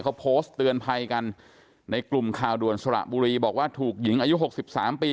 เขาโพสต์เตือนภัยกันในกลุ่มข่าวด่วนสระบุรีบอกว่าถูกหญิงอายุหกสิบสามปี